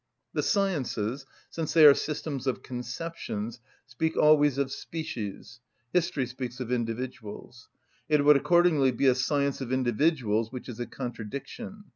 The sciences, since they are systems of conceptions, speak always of species; history speaks of individuals. It would accordingly be a science of individuals, which is a contradiction.